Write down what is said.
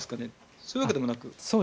そういうわけでもなく？